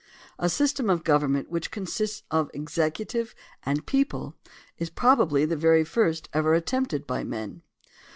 A system of government which consists of executive and people is probably the very first ever attempted by men.